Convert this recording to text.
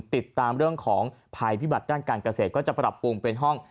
ติดตามเรื่องของภัยพิบัติด้านการเกษตรก็จะปรับปรุงเป็นห้อง